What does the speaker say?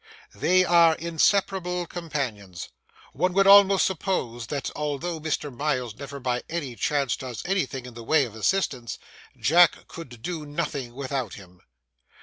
They are inseparable companions; one would almost suppose that, although Mr. Miles never by any chance does anything in the way of assistance, Jack could do nothing without him.